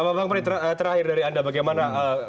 pak bapak terakhir dari anda bagaimana